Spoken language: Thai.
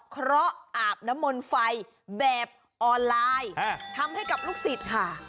เพราะอาบน้ำมนต์ไฟแบบออนไลน์ทำให้กับลูกศิษย์ค่ะ